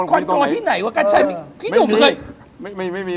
คอนโดที่ไหนวะกัชชัยพี่หยุดเมื่อย